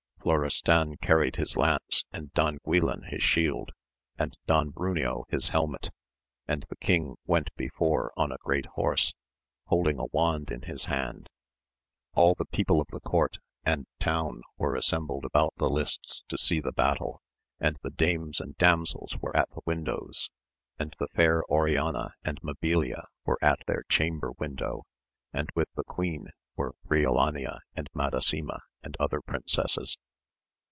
Florestan carried his lance, and^ Don Guilan his shield, and Don Bruneo his helmet, and the king went before on a great horse, holding a wand in his hand. All the people of the court and town were assembled about the lists to see the battle, and the dames and damsels were at the windows, and the fair Oriana and Mabilia were at their chamber window, and with the queen were Briolania and Madasima, and other princesses.